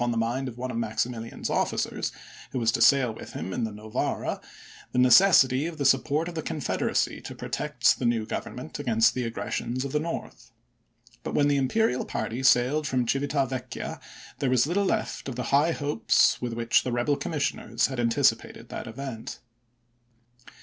the mind of one of Maximilian's officers, who was to sail with him in the Novara, the necessity of the support of the Confederacy to protect the new Grovernment against the aggressions of the North. But when the imperial party sailed from Civita Vecchia there was little left of the high hopes with which the Rebel Commissioners had anticipated that event.